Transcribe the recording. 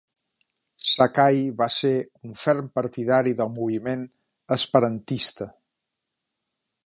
Sakai va ser un ferm partidari del moviment esperantista.